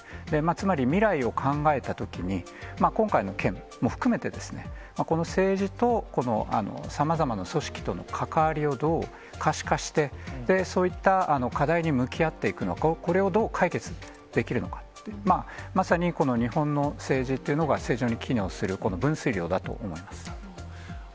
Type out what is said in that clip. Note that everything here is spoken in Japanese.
つまり未来を考えたときに、今回の件も含めてですね、この政治とこのさまざまな組織との関わりをどう可視化して、そういった課題に向き合っていくのか、これをどう解決できるのかっていう、まさにこの日本の政治というのが正常に機能する分水れいだと思いなるほど。